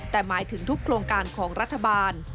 แต่หมายถึงทุกโครงการของรัฐบาล